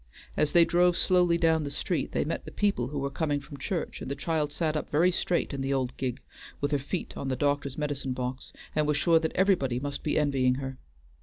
As they drove slowly down the street they met the people who were coming from church, and the child sat up very straight in the old gig, with her feet on the doctor's medicine box, and was sure that everybody must be envying her.